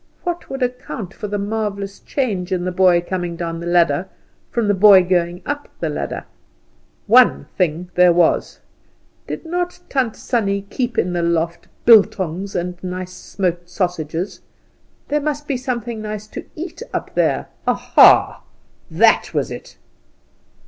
What would account for the marvellous change in the boy coming down the ladder from the boy going up the ladder? One thing there was. Did not Tant Sannie keep in the loft bultongs, and nice smoked sausages? There must be something nice to eat up there! Aha! that was it!